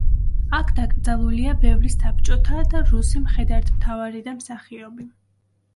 აქ დაკრძალულია ბევრი საბჭოთა და რუსი მხედართმთავარი და მსახიობი.